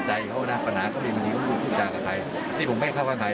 แล้วก็ทุกเภรินทราบก็อย่างสำหรับที่วันนี้ก็ถูกให้